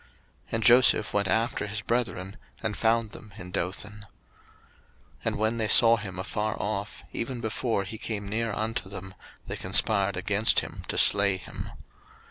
And Joseph went after his brethren, and found them in Dothan. 01:037:018 And when they saw him afar off, even before he came near unto them, they conspired against him to slay him.